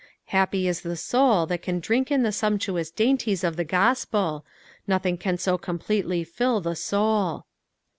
Happy is the soul that can drink in ths sumptuous dainties of the gospel — nothing can so completely fill the soul.